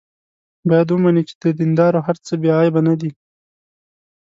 باید ومني چې د دیندارو هر څه بې عیبه نه دي.